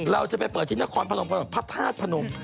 เราจะไปเปิดที่นครพนมกันก่อนพระธาตุพนม